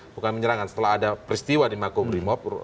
bukan penyerangan setelah ada peristiwa di mako brimob